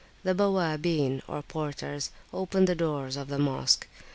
The Bawwabin, or porters, open the doors of the Mosque.